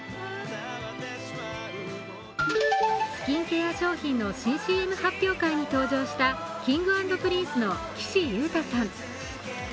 スキンケア商品の新ＣＭ発表会に登場したＫｉｎｇ＆Ｐｒｉｎｃｅの岸優太さん。